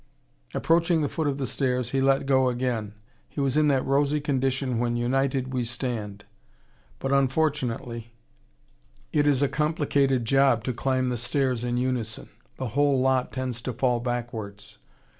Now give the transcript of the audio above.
Approaching the foot of the stairs, he let go again. He was in that rosy condition when united we stand. But unfortunately it is a complicated job to climb the stairs in unison. The whole lot tends to fall backwards.